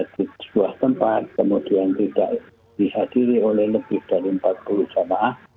di sebuah tempat kemudian tidak dihadiri oleh lebih dari empat puluh jamaah